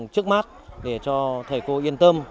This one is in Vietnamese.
trước mắt để cho thầy cô yên tâm